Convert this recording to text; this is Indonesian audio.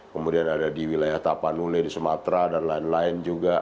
kemudian ada di wilayah tapanule di sumatera dan lain lain juga